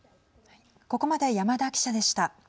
ここまで山田記者でした。